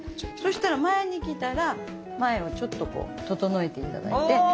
そしたら前にきたら前をちょっとこう整えて頂いて。